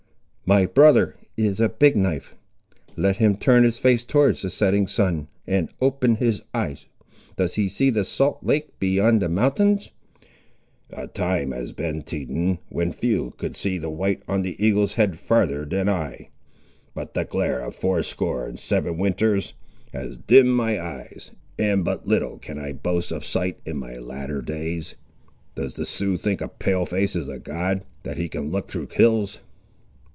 "My brother is a Big knife! Let him turn his face towards the setting sun, and open his eyes. Does he see the salt lake beyond the mountains?" "The time has been, Teton, when few could see the white on the eagle's head farther than I; but the glare of fourscore and seven winters has dimmed my eyes, and but little can I boast of sight in my latter days. Does the Sioux think a Pale face is a god, that he can look through hills?"